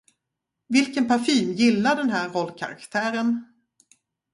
Vilken parfym gillar den här rollkaraktären?